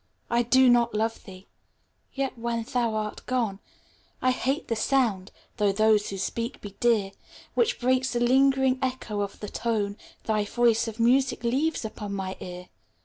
I do not love thee ! ŌĆö yet, when thou art gone, I hate the sound (though those who speak be dear) Which breaks the lingering echo of the tone Thy voice of music leaves upon my ear.